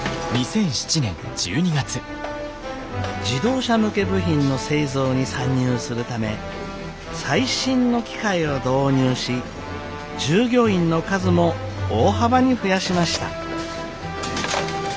自動車向け部品の製造に参入するため最新の機械を導入し従業員の数も大幅に増やしました。